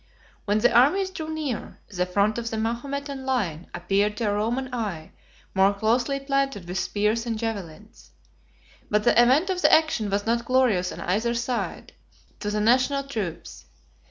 When the armies drew near, the front of the Mahometan line appeared to a Roman eye more closely planted with spears and javelins; but the event of the action was not glorious on either side to the national troops.